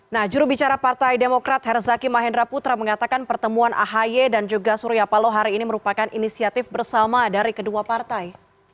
nah jurubicara partai demokrat herzaki mahendra putra mengatakan pertemuan ahy dan juga surya paloh hari ini merupakan inisiatif bersama dari kedua partai